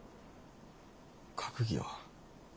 閣議は？